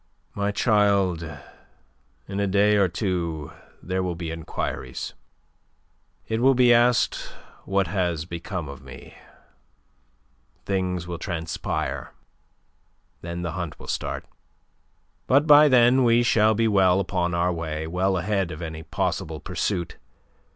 My child, in a day or two there will be enquiries. It will be asked what has become of me. Things will transpire. Then the hunt will start. But by then we shall be well upon our way, well ahead of any possible pursuit.